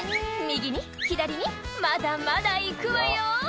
「右に左にまだまだ行くわよ」